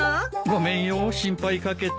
ごめんよ心配かけて。